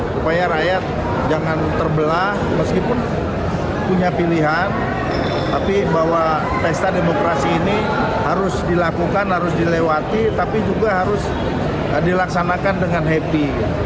supaya rakyat jangan terbelah meskipun punya pilihan tapi bahwa pesta demokrasi ini harus dilakukan harus dilewati tapi juga harus dilaksanakan dengan happy